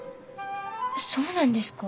そうなんですか？